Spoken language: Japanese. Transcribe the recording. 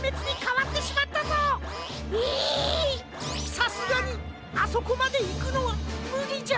さすがにあそこまでいくのはむりじゃ。